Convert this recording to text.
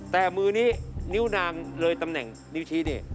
แต่มือนี้นิ้วนางเลยตำแหน่งนิ้วชี้นี่